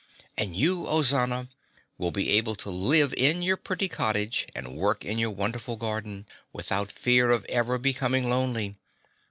And you, Ozana, will be able to live in your pretty cottage and work in your wonderful garden without fear of ever becoming lonely.